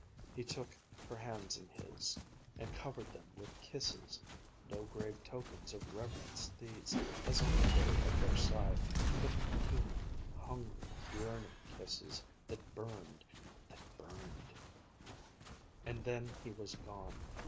He took her hands in his and covered them with kisses no grave tokens of reverence these, as on the day at Versailles, but human, hungry, yearning kisses that burned, that burned And then he was gone.